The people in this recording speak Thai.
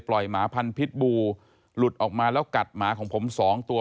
ปล่อยหมาพันธุ์พิษบูหลุดออกมาแล้วกัดหมาของผม๒ตัว